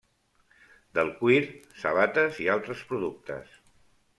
Del cuir sabates i altres productes.